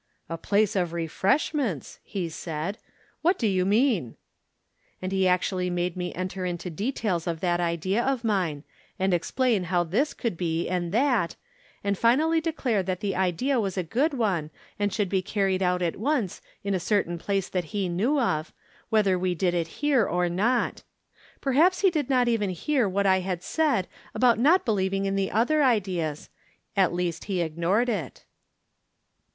"A place of refreshments!" he said, "what do you mean ?" And he actually made me enter into details of that idea of mine, and explain how this could be. From Different Standpoints. 145 and that, and finally declared that the idea was a good one, and should be carried out at once in a certain place that he knew of, whether we did it here or not. Perhaps he did not even hear what I had said about not believing in the other ideas ; at least he ignored it.